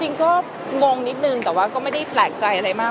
จริงก็งงนิดนึงแต่ว่าก็ไม่ได้แปลกใจอะไรมาก